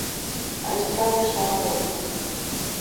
Але справа ішла марудна.